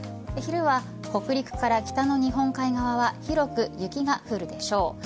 昼は北陸から北の日本海側は広く雪が降るでしょう。